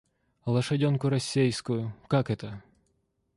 Лошаденку рассейскую, как это?